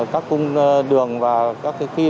các cung đường và các khí